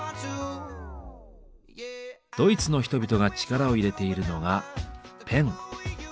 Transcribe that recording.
ドイツの人々が力を入れているのがペン。